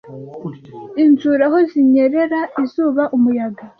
Inzuri aho zinyerera, izuba, umuyaga.